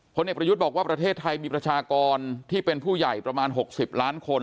เอกประยุทธ์บอกว่าประเทศไทยมีประชากรที่เป็นผู้ใหญ่ประมาณ๖๐ล้านคน